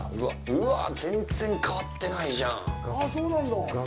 うわ、全然変わってないじゃん。